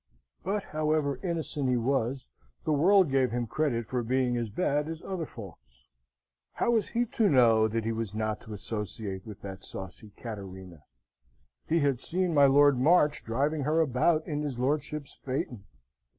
But, however innocent he was, the world gave him credit for being as bad as other folks. How was he to know that he was not to associate with that saucy Cattarina? He had seen my Lord March driving her about in his lordship's phaeton.